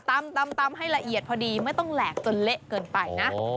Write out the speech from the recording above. ตำให้ละเอียดพอดีไม่ต้องแหลกจนเละเกินไปนะ